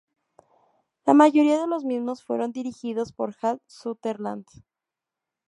La mayoría de los mismos fueron dirigidos por Hal Sutherland.